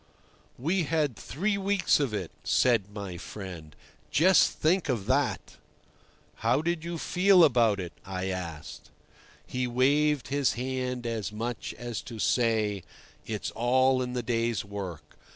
"We had three weeks of it," said my friend, "just think of that!" "How did you feel about it?" I asked. He waved his hand as much as to say: It's all in the day's work.